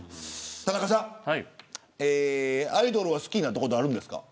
田中さんはアイドルは好きになったことありますか。